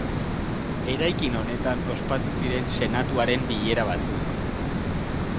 Eraikin honetan ospatu ziren Senatuaren bilera batzuk.